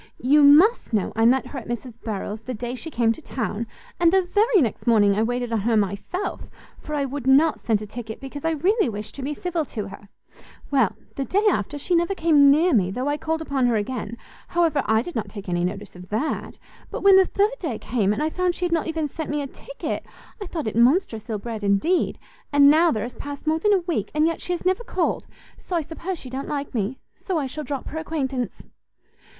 You must know I met her at Mrs Harrel's the day she came to town, and the very next morning I waited on her myself, for I would not send a ticket, because I really wished to be civil to her; well, the day after, she never came near me, though I called upon her again; however, I did not take any notice of that; but when the third day came, and I found she had not even sent me a ticket, I thought it monstrous ill bred indeed; and now there has passed more than a week, and yet she has never called: so I suppose she don't like me; so I shall drop her acquaintance."